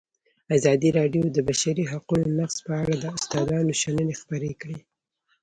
ازادي راډیو د د بشري حقونو نقض په اړه د استادانو شننې خپرې کړي.